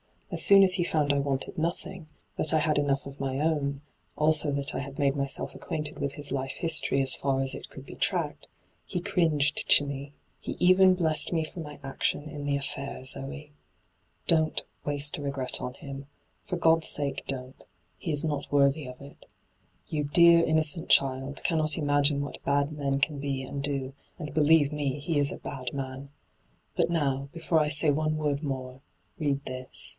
As soon as he found I wanted nothing. hyGoogIc 252 ENTRAPPED that I had enough of my own, also that I had made myaelf acquainted with his life histoiy as far as it conid he tracked, he cringed to me — he even hlessed me for my action in the affair, Zoe. Don't waste a regret on him — for God's sake don't — he is not worthy of it. Ton, dear innocent child, cannot imagine what bad men can be and do, and, believe me, he is a bad man I But now, before I say one word more, read this.'